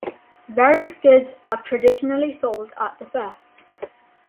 Various goods are traditionally sold at the fair.